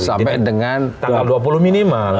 sampai dengan tanggal dua puluh minimal